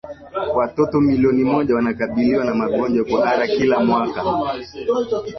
Watoto milioni moja wanakabiliwa na magonjwa ya kuhara kila mwaka